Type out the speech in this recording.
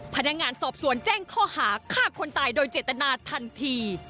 พนักงานสอบสวนแจ้งข้อหาฆ่าคนตายโดยเจตนาทันที